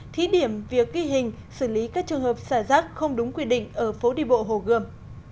thí điểm việc ghi hình xử lý các trường hợp xả rác không đúng quy định ở phố đi bộ hồ gươm